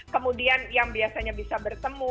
kemudian yang biasanya bisa bertemu